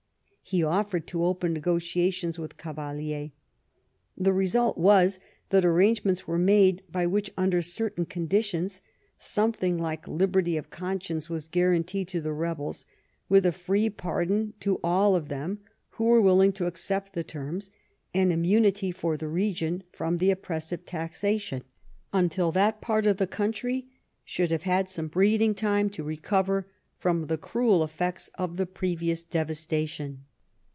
He offered to open negotiations with Cavalier. The result was that arrangements were made by which, under certain conditions, something like liberty of conscience was guaranteed to the rebels, with a free pardon to all of them who were willing to accept the terms, and immunity for the region from the op pressive taxation until that part of the country should have had some breathing time to recover from the cruel effects of the previous devastation.